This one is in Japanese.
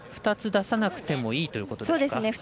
２つ出さなくてもいいということですか？